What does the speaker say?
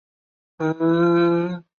蒙得维的亚才全方位的开始落后。